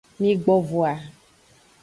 Migbo voa.